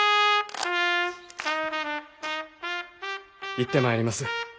行ってまいります。